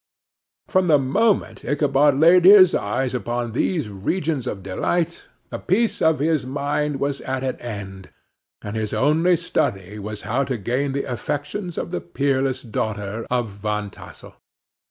From the moment Ichabod laid his eyes upon these regions of delight, the peace of his mind was at an end, and his only study was how to gain the affections of the peerless daughter of Van Tassel.